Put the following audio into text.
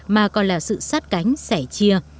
mà còn là sự sát cánh sẻ chia